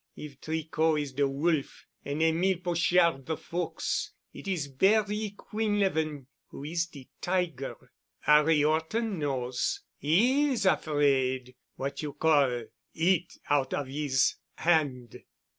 If Tricot is de wolf an' Émile Pochard de fox, it is Barry Quinlevin who is de tiger. 'Arry 'Orton knows. 'E is afraid—what you call—eat out of his 'and."